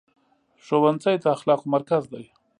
ښوونځی د اخلاقو مرکز دی.